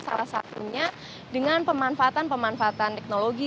salah satunya dengan pemanfaatan pemanfaatan teknologi